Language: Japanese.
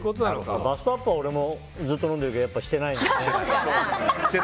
バストアップは俺もずっと飲んでるけどしてないので。